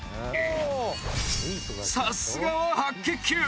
さすがは白血球！